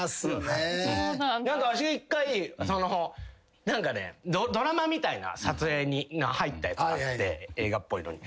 わし一回その何かねドラマみたいな撮影が入ったやつがあって映画っぽいのに。